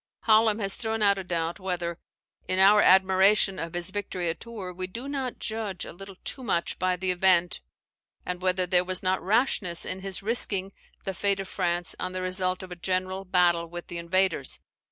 Hallam has thrown out a doubt whether, in our admiration of his victory at Tours, we do not judge a little too much by the event, and whether there was not rashness in his risking the fate of France on the result of a general battle with the invaders.